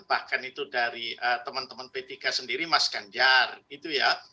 bahkan itu dari teman teman p tiga sendiri mas ganjar gitu ya